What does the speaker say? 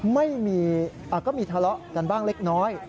ไม่มีก็มีทะเลาะกันบ้างเล็กน้อย